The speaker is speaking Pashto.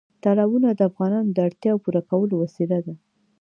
تالابونه د افغانانو د اړتیاوو پوره کولو وسیله ده.